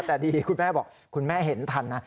แต่ดีคุณแม่บอกคุณแม่เห็นทันนะ